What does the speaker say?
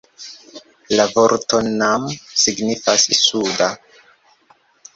La vorto "nam" signifas 'suda'.